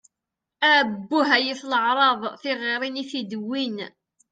Abbuh, ay at leεṛaḍ! Tiɣiṛin i tid-wwin!